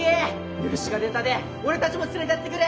許しが出たで俺たちも連れてってくれ。